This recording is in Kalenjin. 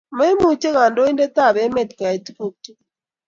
maimuche kandointeab emet koyai tokuk tukul